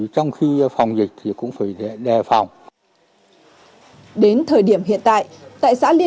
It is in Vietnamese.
trong khi phòng dịch thì cũng phải đề phòng